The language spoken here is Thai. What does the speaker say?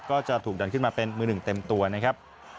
ก็จะถูกดันขึ้นมาเป็นมือหนึ่งเต็มตัวนะครับ